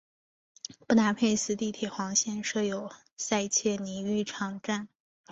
布达佩斯地铁黄线设有塞切尼浴场站。